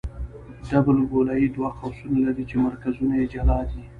ډبل ګولایي دوه قوسونه لري چې مرکزونه یې جلا دي